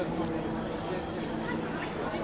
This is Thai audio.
สวัสดีครับ